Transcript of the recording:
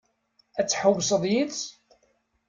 Ad tḥewwseḍ yid-s?